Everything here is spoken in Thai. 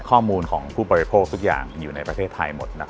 ข้อมูลของผู้บริโภคทุกอย่างอยู่ในประเทศไทยหมดนะครับ